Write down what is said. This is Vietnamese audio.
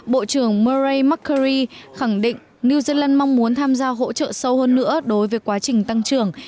bộ trưởng morre mcri khẳng định new zealand mong muốn tham gia hỗ trợ sâu hơn nữa đối với quá trình tăng trưởng